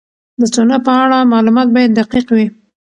د سونا په اړه معلومات باید دقیق وي.